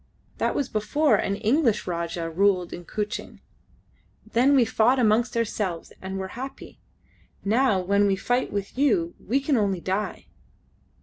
That was before an English Rajah ruled in Kuching. Then we fought amongst ourselves and were happy. Now when we fight with you we can only die!"